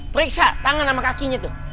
periksa tangan sama kakinya tuh